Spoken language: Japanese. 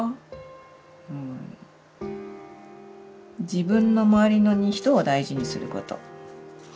「自分のまわりの人を大事にすること」。